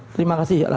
terima kasih ya allah